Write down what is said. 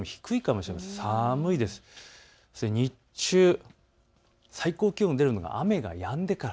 そして日中、最高気温が出るのが雨がやんでから。